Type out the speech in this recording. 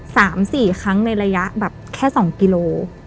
สามสี่ครั้งในระยะแบบแค่สองกิโล